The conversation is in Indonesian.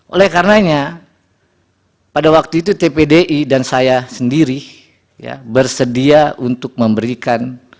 oleh karenanya pada waktu itu tpdi dan saya sendiri bersedia untuk memberikan